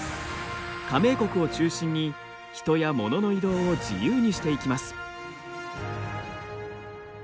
加盟国を中心に人や物の移動を自由にしていきます。